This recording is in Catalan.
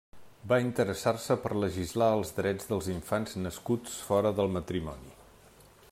Va interessar-se per legislar els drets dels infants nascuts fora del matrimoni.